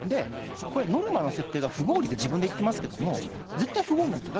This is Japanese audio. これ、ノルマの設定が不合理で、自分で言ってますけども、絶対不合理なんですよ。